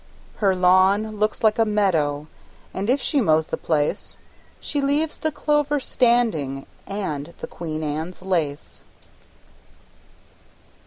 Her lawn looks like a meadow, And if she mows the place She leaves the clover standing And the Queen Anne's lace!